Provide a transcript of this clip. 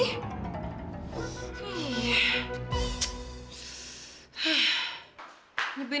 kok ada tidur semua sih